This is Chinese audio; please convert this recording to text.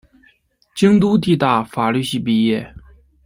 京都帝大法律系毕业。